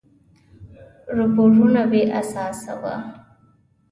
رپوټونه بې اساسه وه.